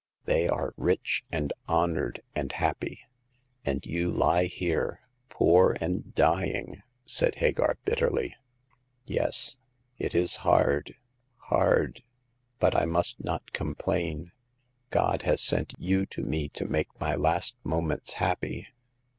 They are rich and honored and happy." " And you lie here, poor and dying !" said Hagar, bitterly. " Yes ; it is hard — hard. But I must not com plain. God has sent you to me to make my last moments happy.